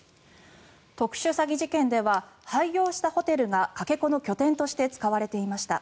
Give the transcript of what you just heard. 特殊詐欺事件では廃業したホテルがかけ子の拠点として使われていました。